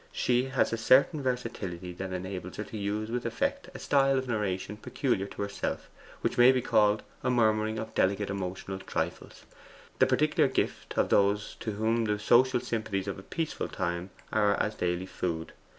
She has a certain versatility that enables her to use with effect a style of narration peculiar to herself, which may be called a murmuring of delicate emotional trifles, the particular gift of those to whom the social sympathies of a peaceful time are as daily food.